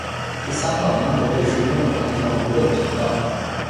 是香港银河卫视拥有的一条娱乐频道。